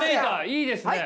いいですね。